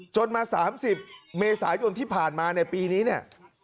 จนมา๓๐เมษายนที่ผ่านมาในปีนี้เนี่ย